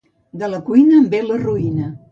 De la cuina en ve la ruïna.